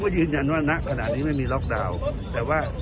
ดีแล้วก็ตอนนี้กลับมาใส่